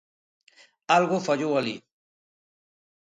Algo fallou alí.